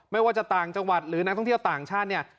ไม่ว่าจะต่างจังหวัดหรือนักท่องเที่ยวต่างชาติเนี่ย